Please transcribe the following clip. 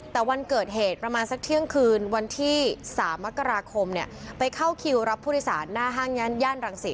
แต่วันเกิดเหตว์ประมาณสักเที่ยงคืนวันที่สามมกราคมเนี้ยไปเข้าคิวรับภูติศาลหน้าห้างย่านย่านรังสิต